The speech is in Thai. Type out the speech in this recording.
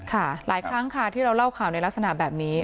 ค่าหลายครั้งที่เราเล่าเข้าในลักษณะแบบนี้